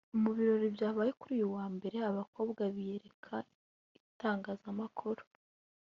Mu birori byabaye kuri uyu wa Mbere abakobwa biyereka itangazamakuru